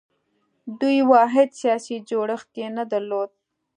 دوی واحد سیاسي جوړښت یې نه درلود